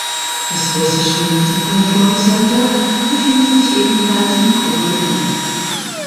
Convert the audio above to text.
Das russische Mission Control Center befindet sich ebenfalls in Koroljow.